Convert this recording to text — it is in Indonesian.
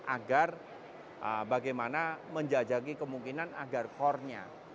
agar bagaimana menjajaki kemungkinan agar core nya